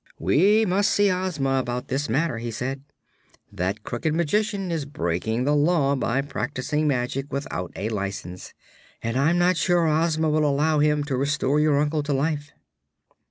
"We must see Ozma about this matter," he said. "That Crooked Magician is breaking the Law by practicing magic without a license, and I'm not sure Ozma will allow him to restore your uncle to life."